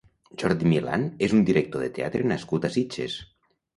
Jordi Milán és un director de teatre nascut a Sitges.